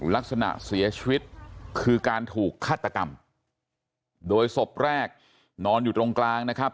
ลักษณะเสียชีวิตคือการถูกฆาตกรรมโดยศพแรกนอนอยู่ตรงกลางนะครับ